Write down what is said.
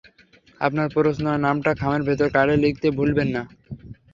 আপনার প্রশ্ন আর নামটা খামের ভেতরের কার্ডে লিখতে ভুলবেন না।